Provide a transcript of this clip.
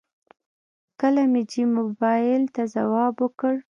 کله مې چې موبايل ته ځواب وکړ.